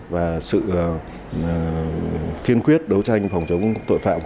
và sự kiên quyết đấu tranh phòng chống tội phạm